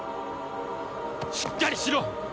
しっかりしろ！